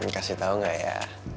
kasih tau gak ya